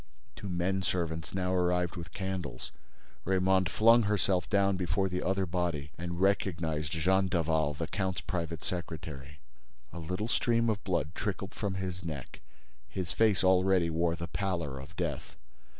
—" Two men servants now arrived with candles. Raymonde flung herself down before the other body and recognized Jean Daval, the count's private secretary. A little stream of blood trickled from his neck. His face already wore the pallor of death.